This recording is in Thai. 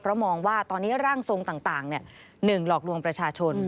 เพราะมองว่าตอนนี้ร่างทรงต่าง๑หลอกลวงประชาชน